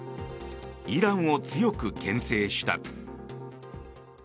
イランを強く牽制した。